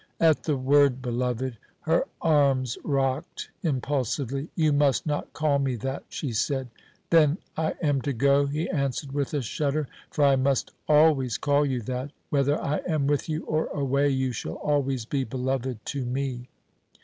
At the word "beloved" her arms rocked impulsively. "You must not call me that," she said. "Then I am to go," he answered with a shudder, "for I must always call you that; whether I am with you or away, you shall always be beloved to me."